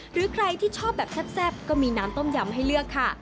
หรือใครที่ชอบแบบแซ่บก็มีน้ำต้มยำให้เลือกค่ะ